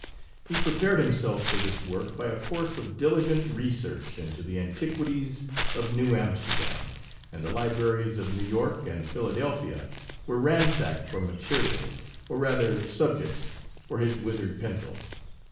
He prepared himself for this work by a course of diligent research into the antiquities of New Amsterdam ; and the libraries of New York and Philadelphia were ransacked for materials, or rather sub jects, for his wizard pencil.